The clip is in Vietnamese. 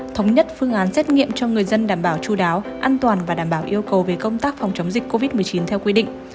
thống nhất phương án xét nghiệm cho người dân đảm bảo chú đáo an toàn và đảm bảo yêu cầu về công tác phòng chống dịch covid một mươi chín theo quy định